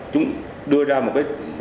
chúng đưa ra một cái